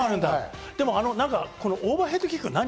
あのオーバーヘッドキックは何？